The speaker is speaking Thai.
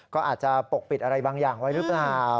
ก็อาจจะปกปิดอะไรบางอย่างไว้หรือเปล่า